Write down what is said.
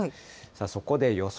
そこで予想